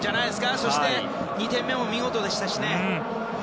そして２点目も見事でしたしね。